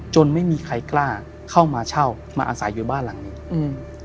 ไม่มีใครกล้าเข้ามาเช่ามาอาศัยอยู่บ้านหลังนี้อืม